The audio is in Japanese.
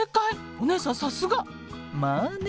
お姉さんさすが！まあね。